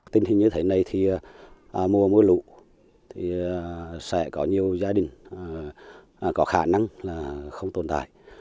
tình hình như thế này thì mùa mưa lũ thì sẽ có nhiều gia đình có khả năng là không tồn tại